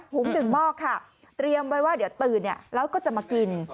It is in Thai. ถุงหนึ่งหม้อค่ะเตรียมไว้ว่าเดี๋ยวตื่นแล้วก็จะมากิน